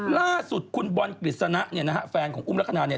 ล่าสุดคือคุณบอลกฤษณภะแฟนของอุ้มละครานา